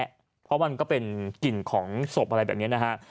เพราะมันก็เป็นกลิ่นของศพอะไรแบบนี้นะฮะ